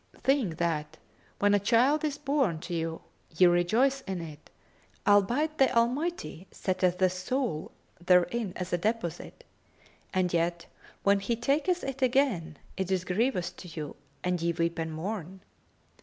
seeing that, when a child is born to you, ye rejoice in it, albeit the Almighty setteth the soul therein as a deposit; and yet, when he taketh it again, it is grievous to you and ye weep and mourn?